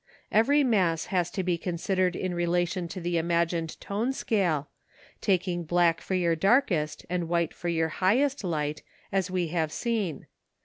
Every mass has to be considered in relation to an imagined tone scale, taking black for your darkest and white for your highest light as we have seen.